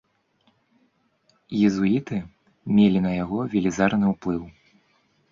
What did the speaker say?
Езуіты мелі на яго велізарны ўплыў.